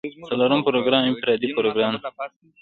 څلورم پروګرام انفرادي پروګرام دی.